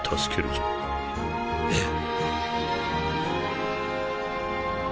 ええ。